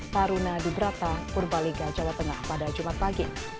taruna dibrata purbaliga jawa tengah pada jumat pagi